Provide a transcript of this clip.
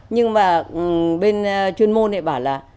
nhưng mà bên chuyên môn này bảo là